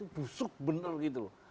busuk bener gitu loh